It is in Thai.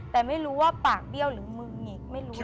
แต่ไม่รู้ว่าปากเบี้ยวหรือมือหงิกไม่รู้